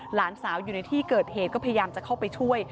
หลานสาวอยู่ในที่เกิดเหตุก็พยายามจะเข้าไปช่วย